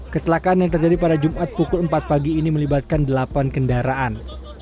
keselakaan yang terjadi pada jumat pukul empat pagi ini melibatkan delapan kendaraan